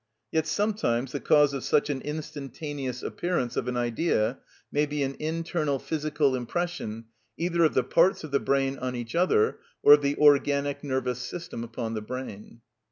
Yet sometimes the cause of such an instantaneous appearance of an idea may be an internal physical impression either of the parts of the brain on each other or of the organic nervous system upon the brain.